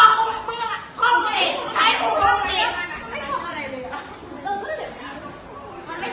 ตอนคุยกับเม่คุยเก่งมาก